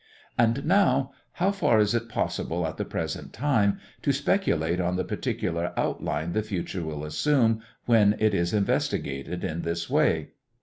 And now, how far is it possible at the present time to speculate on the particular outline the future will assume when it is investigated in this way?